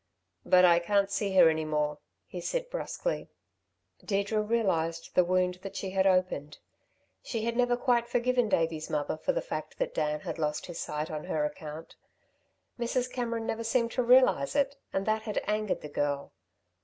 "But I can't see her any more," he said brusquely. Deirdre realised the wound that she had opened. She had never quite forgiven Davey's mother for the fact that Dan had lost his sight on her account. Mrs. Cameron never seemed to realise it and that had angered the girl.